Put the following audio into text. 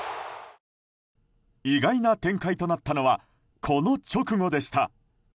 意外な展開となったのはこの直後でした。